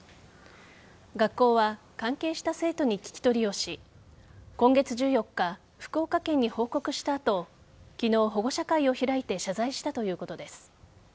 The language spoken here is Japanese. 学校は関係した生徒に聞き取りをし今月１４日、福岡県に報告した後昨日、保護者会を開いて謝罪したということです。